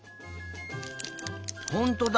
ほんとだ。